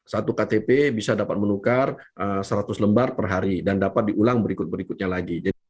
satu ktp bisa dapat menukar seratus lembar per hari dan dapat diulang berikut berikutnya lagi